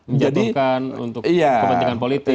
menjadikan untuk kepentingan politik